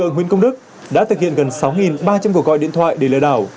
nguyễn công đức đã thực hiện gần sáu ba trăm linh cuộc gọi điện thoại để lừa đảo